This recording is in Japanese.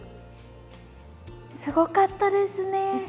すごかったですね。